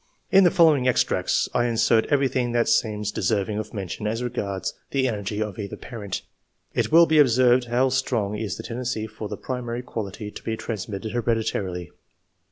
In the following extracts I insert everything that seems deserving of mention as regards the energy of either parent. It will be observed how strong is the tendency for this primary quality to be transmitted hereditarily.